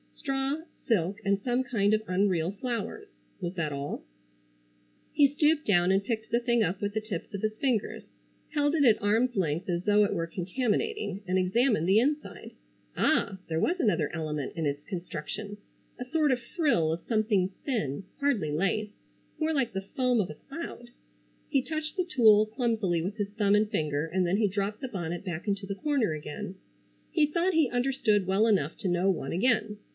Straw, silk and some kind of unreal flowers. Was that all? He stooped down and picked the thing up with the tips of his fingers, held it at arms length as though it were contaminating, and examined the inside. Ah! There was another element in its construction, a sort of frill of something thin,—hardly lace,—more like the foam of a cloud. He touched the tulle clumsily with his thumb and finger and then he dropped the bonnet back into the corner again. He thought he understood well enough to know one again.